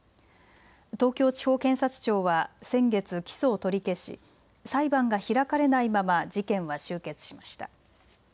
東京地方検察庁は先月、起訴を取り消し裁判が開かれないまま事件は終結しました。